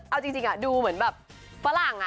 เอาจริงดูเหมือนแบบฝรั่ง